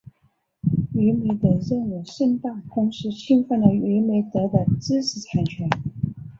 娱美德认为盛大公司侵犯了娱美德的知识产权。